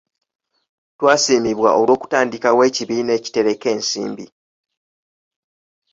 Twasiimibwa olw'okutandikawo ekibiina ekitereka ensimbi.